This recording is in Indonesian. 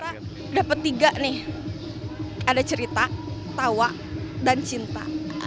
kita dapat tiga nih ada cerita tawa dan cinta